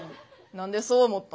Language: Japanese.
何でそう思った？